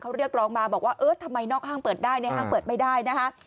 เขาเรียกร้องมาบอกว่าเออทำไมนอกห้างเปิดได้ในห้างเปิดไม่ได้นะคะ